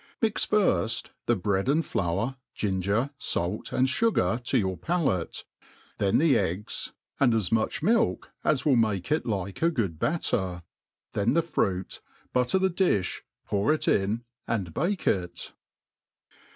. Mix firft the bread and flour, ginger, lalt, and fugar to your palate, then the eggs, and as much milk * a? } MADE PJ AIN AND EASY. z^ 9$ wttl make it like a. good batter, then. the fruit,^ butter th9 dUbj pour it in wd bake it.